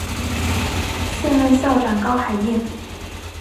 现任校长高海燕。